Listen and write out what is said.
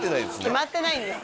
決まってないんです